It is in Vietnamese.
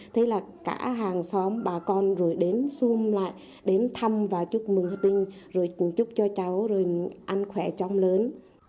thế là cả hàng xóm bà con rồi đến xung lại đến thăm và chúc mừng tinh rồi chúc cho cháu rồi ăn khỏe cháu lớn